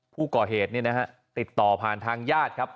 ผู้ก่อเหตุติดต่อผ่านทางญาติ